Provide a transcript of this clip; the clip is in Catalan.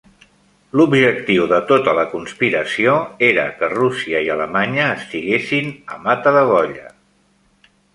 L'objectiu de tota la conspiració era que Rússia i Alemanya estiguessin a matadegolla.